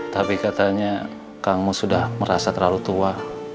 tapi katanya kamu sudah merasa terlalu tua